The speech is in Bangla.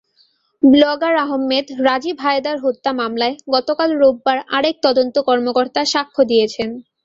ব্লগার আহমেদ রাজীব হায়দার হত্যা মামলায় গতকাল রোববার আরেক তদন্ত কর্মকর্তা সাক্ষ্য দিয়েছেন।